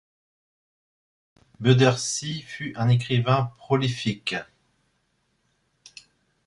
Bedersi fut un écrivain prolifique.